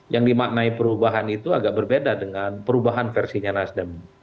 yang dimaknai perubahan itu agak berbeda dengan perubahan versinya nasdem